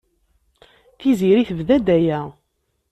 Tiziri tebda-d aya.